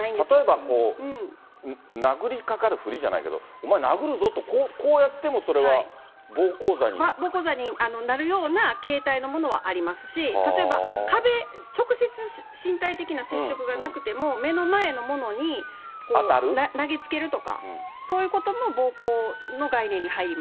例えばこう、殴りかかるふりじゃないけど、お前殴るぞと、こ暴行罪になるような形態のものはありますし、例えば、壁、直接身体的な接触がなくても、目の前のものに、投げつけるとか、そういうことも暴行の概念に入りま